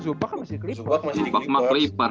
zubac kan masih di creeper